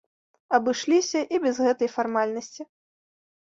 Абышліся і без гэтай фармальнасці.